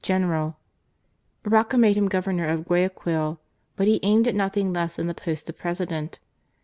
37 General. Roca made him Governor of Guayaquil, but he aimed at nothing less than the post of President.